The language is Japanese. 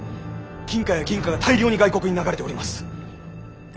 金貨や銀貨が大量に外国に流れております。